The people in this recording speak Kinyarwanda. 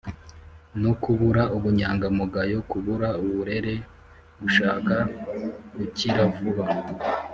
no kubura ubunyangamugayo, kubura uburere, gushaka gukira vuba,